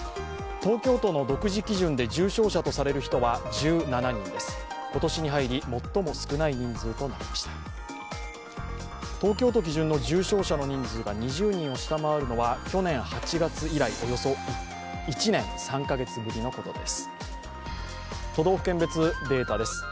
東京都基準の重症者の人数が２０人を下回るのは去年８月以来、およそ１年３カ月ぶりのことです。